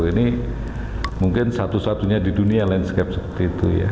ini mungkin satu satunya di dunia landscape seperti itu ya